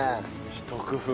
ひと工夫。